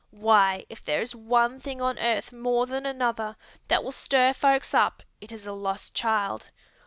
Why, if there is one thing on earth more than another that will stir folks up it is a lost child.